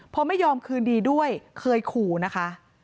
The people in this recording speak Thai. พอไม่ยอมคืนดีด้วยเคยขู่นะคะ